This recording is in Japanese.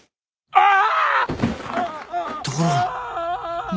あ！あ！